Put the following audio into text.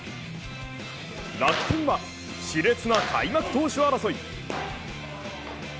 楽天は、しれつな開幕投手争い。